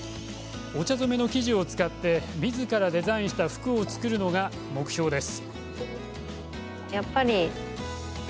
お茶染めの生地を使ってみずからデザインした服を作るのが目標です。